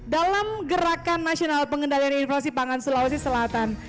dalam gerakan nasional pengendalian inflasi pangan sulawesi selatan